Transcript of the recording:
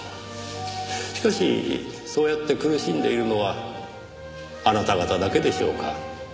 しかしそうやって苦しんでいるのはあなた方だけでしょうか？